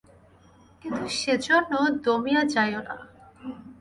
কিন্তু সেজন্য দমিয়া যাইও না।